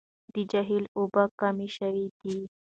د جهيل اوبه کمې شوې دي.